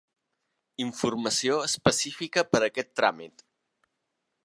Informació específica per a aquest tràmit.